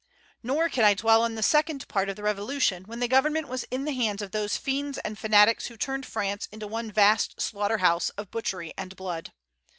Nor can I dwell on the second part of the Revolution, when the government was in the hands of those fiends and fanatics who turned France into one vast slaughter house of butchery and blood.